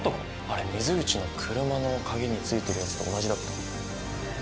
あれ水口の車の鍵についてるやつと同じだった。